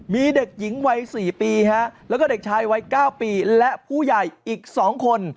มีเด็กหญิงวัย๔ปีแล้วก็เด็กชายวัย๙ปีและผู้ใหญ่อีก๒คน